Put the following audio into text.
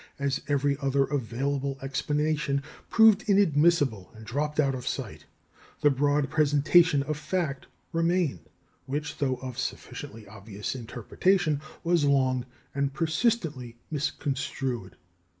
As every other available explanation proved inadmissible and dropped out of sight, the broad presentation of fact remained, which, though of sufficiently obvious interpretation, was long and persistently misconstrued.